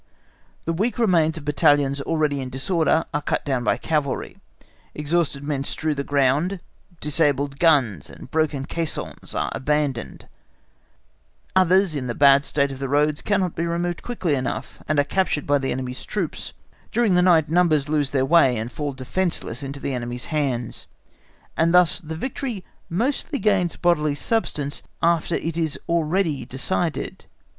The weak remains of battalions already in disorder are cut down by cavalry, exhausted men strew the ground, disabled guns and broken caissons are abandoned, others in the bad state of the roads cannot be removed quickly enough, and are captured by the enemy's troops, during the night numbers lose their way, and fall defenceless into the enemy's hands, and thus the victory mostly gains bodily substance after it is already decided.